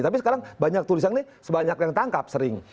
tapi sekarang banyak tulisan nih sebanyak yang ditangkap sering